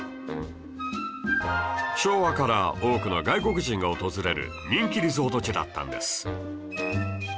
昭和から多くの外国人が訪れる人気リゾート地だったんです